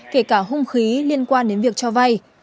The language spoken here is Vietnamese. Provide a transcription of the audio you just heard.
kể cả hung khí liên quan đến việc cho vay